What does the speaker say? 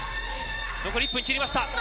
残り１分を切りました。